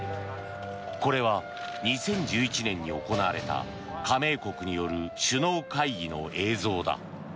これは、２０１１年に行われた加盟国による首脳会議の映像だ。